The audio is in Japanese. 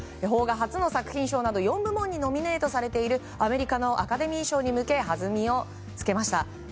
邦画初の作品賞など４部門にノミネートされているアメリカのアカデミー賞に向け弾みをつけました。